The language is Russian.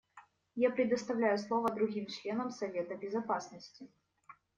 Я предоставляю слово другим членам Совета Безопасности.